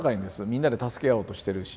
みんなで助け合おうとしてるし。